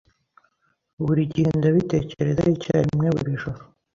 Buri gihe ndabitekerezaho icyarimwe buri joro